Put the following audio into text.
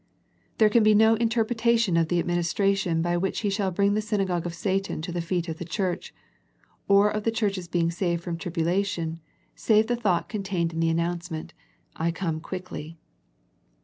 There can be no interpretation of the adminis tration by which He shall bring the synagogue of Satan to the feet of the church, or of the church's being saved from tribulation save the thought contained in the announcement, " I come quickly."